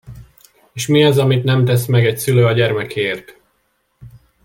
És mi az, amit nem tesz meg egy szülő a gyermekéért?